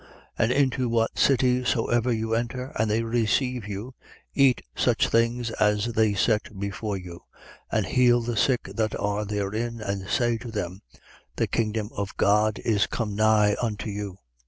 10:8. And into what city soever you enter, and they receive you, eat such things as are set before you. 10:9. And heal the sick that are therein and say to them: The kingdom of God is come nigh unto you.